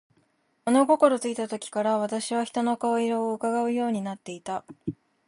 物心ついた時から、私は人の顔色を窺うようになっていた。